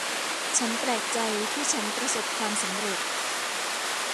ฉันแปลกใจที่ฉันประสบความสำเร็จ